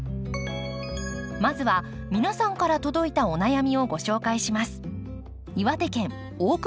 まずは皆さんから届いたお悩みをご紹介します。